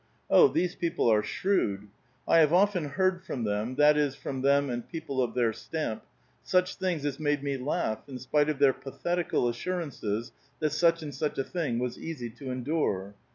Oh, these people are shrewd ! I have often heard from them — that is, from them and people of their stamp — such things as made me laugh in spite of their pathetical assurances that such and such a thing was easy to endure.